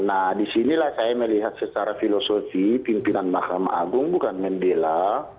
nah disinilah saya melihat secara filosofi pimpinan mahkamah agung bukan membela